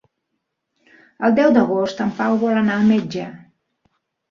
El deu d'agost en Pau vol anar al metge.